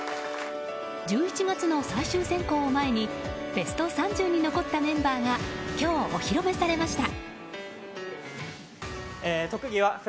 １１月の最終選考を前にＢＥＳＴ３０に残ったメンバーが今日、お披露目されました。